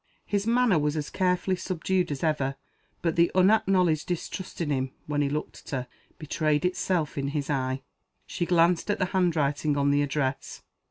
His manner was as carefully subdued as ever. But the unacknowledged distrust in him (when he looked at her) betrayed itself in his eye. She glanced at the handwriting on the address.